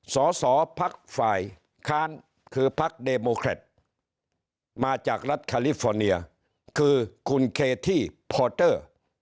สอสอพักฝ่ายค้านคือพักเดโมแครตมาจากรัฐคาลิฟอร์เนียคือคุณเคที่พอเตอร์